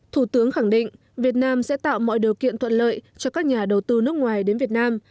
thủ tướng khẳng định việt nam sẽ tạo mọi điều kiện thuận lợi cho các nhà đầu tư nước ngoài đến việt nam